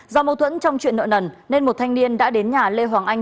do mâu thuẫn trong chuyện nợ nần nên một thanh niên đã đến nhà lê hoàng anh